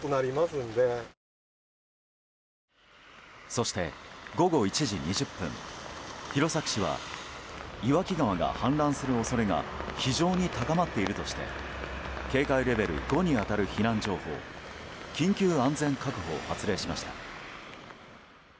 そして午後１時２０分弘前市は岩木川が氾濫する恐れが非常に高まっているとして警戒レベル５に当たる避難情報緊急安全確保を発令しました。